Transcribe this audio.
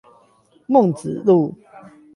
孟子路